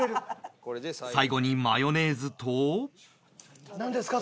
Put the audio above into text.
最後にマヨネーズとなんですか？